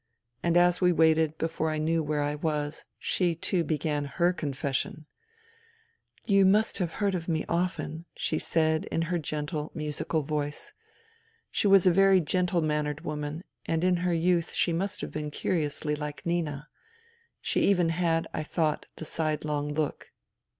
And as we waited, before I knew where I was, she too began her confession. " You must have heard of me very often," she said in her gentle, musical voice. She was a very gentle mannered woman and in her youth she must have been curiously like Nina. She even had, I thought, the side long look.